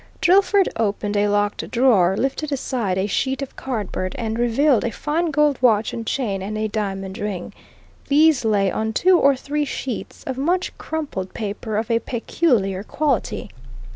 Drillford opened a locked drawer, lifted aside a sheet of cardboard, and revealed a fine gold watch and chain and a diamond ring. These lay on two or three sheets of much crumpled paper of a peculiar quality.